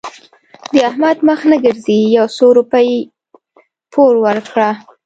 د احمد مخ نه ګرځي؛ يو څو روپۍ پور ورکړه.